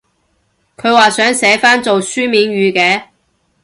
佢話想寫返做書面語嘅？